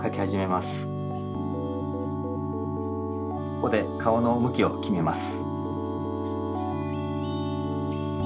ここで顔のむきをきめます。